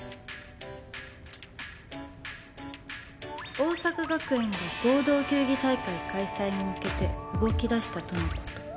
「桜咲学園が合同球技大会開催に向けて動き出したとのこと」